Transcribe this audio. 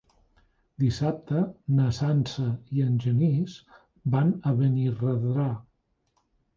Dissabte na Sança i en Genís van a Benirredrà.